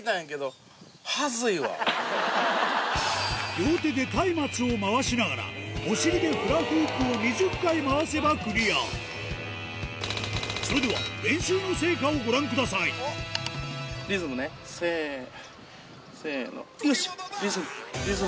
両手でたいまつを回しながらお尻でフラフープを２０回回せばクリアそれでは練習の成果をご覧くださいよいしょ！